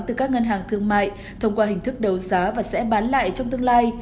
từ các ngân hàng thương mại thông qua hình thức đầu giá và sẽ bán lại trong tương lai